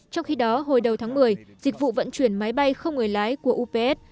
trong khi đó hồi đầu tháng một mươi dịch vụ vận chuyển máy bay không người lái của ups